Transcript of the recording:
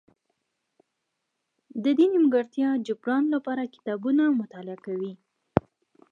د دې نیمګړتیا جبران لپاره کتابونه مطالعه کوي.